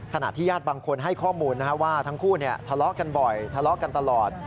ขณะที่ญาติบางคนให้ข้อมูลว่าทั้งคู่ทะเลาะกันบ่อยทะเลาะกันตลอด